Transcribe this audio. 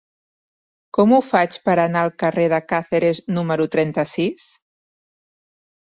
Com ho faig per anar al carrer de Càceres número trenta-sis?